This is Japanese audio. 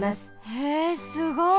へえすごい！